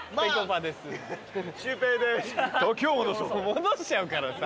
戻しちゃうからさ。